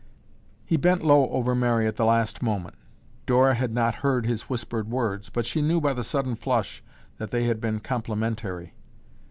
He bent low over Mary at the last moment. Dora had not heard his whispered words, but she knew by the sudden flush that they had been complimentary.